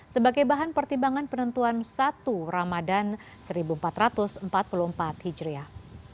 sebagai bahan pertimbangan penentuan satu ramadan seribu empat ratus empat puluh empat hijriah